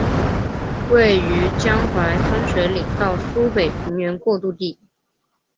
位于江淮分水岭到苏北平原过度地。